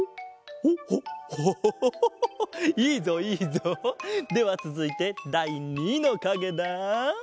ほうほうオホホホホいいぞいいぞ！ではつづいてだい２のかげだ。